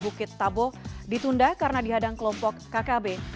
bukit tabo ditunda karena dihadang kelompok kkb